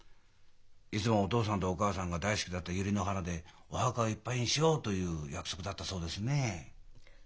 いつもお父さんとお母さんが大好きだったユリの花でお墓をいっぱいにしようという約束だったそうですねえ。